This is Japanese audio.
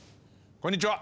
こんにちは。